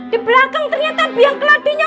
terus belakangnya kayak gini